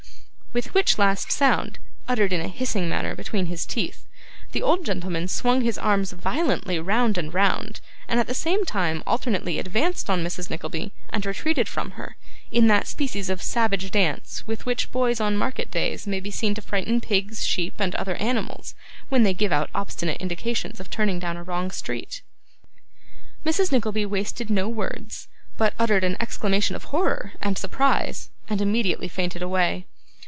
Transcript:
with which last sound, uttered in a hissing manner between his teeth, the old gentleman swung his arms violently round and round, and at the same time alternately advanced on Mrs. Nickleby, and retreated from her, in that species of savage dance with which boys on market days may be seen to frighten pigs, sheep, and other animals, when they give out obstinate indications of turning down a wrong street. Mrs. Nickleby wasted no words, but uttered an exclamation of horror and surprise, and immediately fainted away.